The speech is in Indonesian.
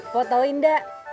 pok tau indah